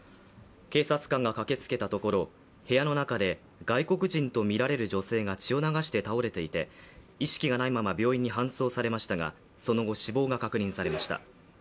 警察官が駆けつけたところ部屋の中で外国人とみられる女性が血を流して倒れていて意識がないまま病院に搬送されましたがその後死亡が確認されました。